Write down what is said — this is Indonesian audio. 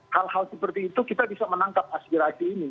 hal hal seperti itu kita bisa menangkap aspirasi ini